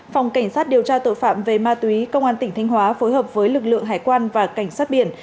phòng cảnh sát điều tra tội phạm về ma túy công an tỉnh thanh hóa phối hợp với lực lượng hải quan và cảnh sát biển